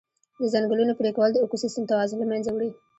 د ځنګلونو پرېکول د اکوسیستم توازن له منځه وړي.